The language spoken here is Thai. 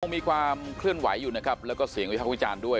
มีความเคลื่อนไหวอยู่นะครับแล้วก็เสียงวิพากษ์วิจารณ์ด้วย